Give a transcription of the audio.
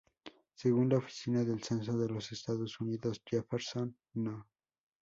Según la Oficina del Censo de los Estados Unidos, Jefferson No.